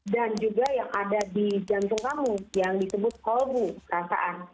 dan juga yang ada di jantung kamu yang disebut kolbu perasaan